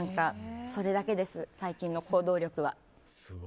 それだけです、最近の行動力は。